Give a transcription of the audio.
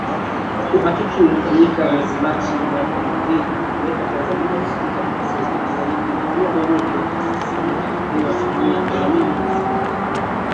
Uhakiki ulifanyika mwezi Machi mwaka elfu mbili uliiweka Tanzania katika nafasi nzuri zaidi kuwa mwenyeji wa taasisi hiyo ikipewa asilimia themanini na sita